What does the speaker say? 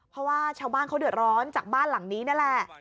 เพราะว่าชาวบ้านเขาเดือดร้อนจากบ้านหลังนี้นั่นแหละ